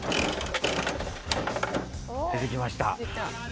出てきました。